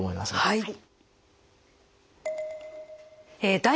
はい。